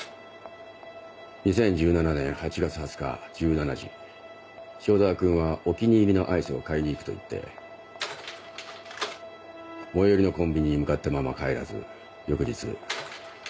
２０１７年８月２０日１７時塩澤君はお気に入りのアイスを買いに行くと言って最寄りのコンビニに向かったまま帰らず翌日。